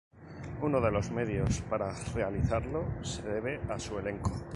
Uno de los medios para realizarlo, se debe a su elenco.